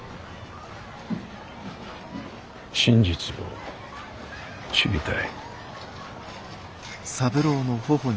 真実を知りたい。